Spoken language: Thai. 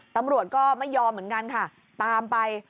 ตำรวจก็ไม่ยอมเหมือนกันค่ะตามไป